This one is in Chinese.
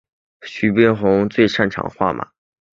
徐悲鸿最擅长画马。